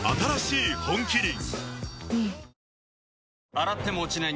洗っても落ちない